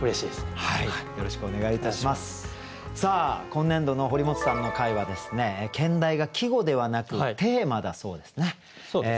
今年度の堀本さんの回は兼題が季語ではなくテーマだそうですね。